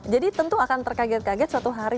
jadi tentu akan terkaget kaget suatu hari